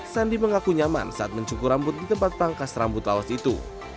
sandi mengaku nyaman saat mencukur rambut di tempat pangkas rambut laos itu